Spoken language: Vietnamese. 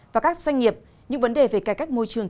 và các doanh nghiệp những vấn đề về cải cách môi trường